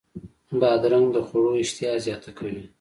بادرنګ د خوړو اشتها زیاته کوي.